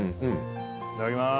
いただきます。